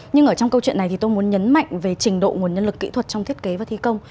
nhưng ở trong câu chuyện này thì tôi muốn nhấn mạnh về trình độ nguồn nhân lực kỹ thuật trong thiết kế và thi công